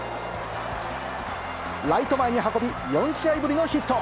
ライト前に運び、４試合ぶりのヒット。